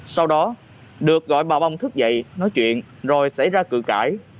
sau đó được gọi bà bông thức dậy nói chuyện rồi xảy ra cử cãi